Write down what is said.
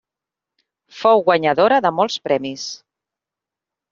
Fou guanyadora de molts premis.